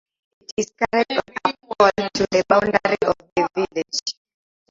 It is carried on a pole to the boundary of the village.